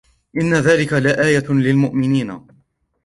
إِنَّ فِي ذَلِكَ لَآيَةً لِلْمُؤْمِنِينَ